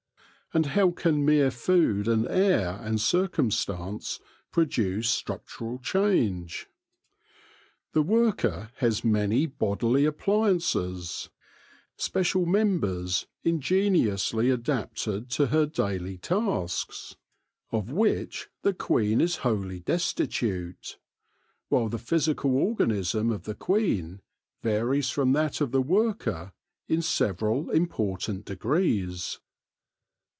And how can mere food and air and cir cumstance produce structural change ? The worker has nany bodily appliances, special members ingeniously 7 o THE LORE OF THE HONEY BEE adapted to her daily tasks, of which the queen is wholly destitute ; while the physical organism of the queen varies from that of the worker in several im portant degrees.